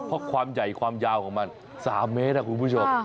เพราะความใหญ่ความยาวของมัน๓เมตรคุณผู้ชม